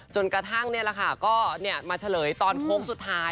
จนกระทั่งก็มาเฉลยตอนโค้งสุดท้าย